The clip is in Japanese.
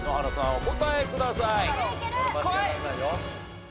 お答えください。